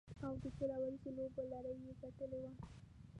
او د شل اوریزو لوبو لړۍ یې ګټلې وه.